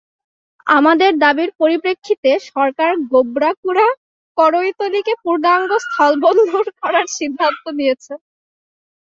আমাদের দাবির পরিপ্রেক্ষিতে সরকার গোবড়াকুড়া কড়ইতলিকে পূর্ণাঙ্গ স্থলবন্দর করার সিদ্ধান্ত নিয়েছে।